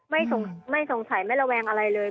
ไม่สงสัยไม่ระแวงอะไรเลย